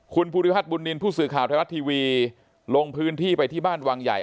คุณภูริพัฒนบุญนินทร์ผู้สื่อข่าวไทยรัฐทีวีลงพื้นที่ไปที่บ้านวังใหญ่